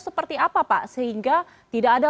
seperti apa pak sehingga tidak ada